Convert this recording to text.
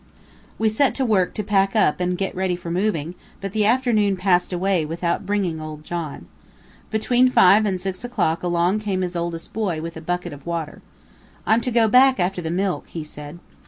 We set to work to pack up and get ready for moving, but the afternoon passed away without bringing old John. Between five and six o'clock along came his oldest boy, with a bucket of water. "I'm to go back after the milk," he said.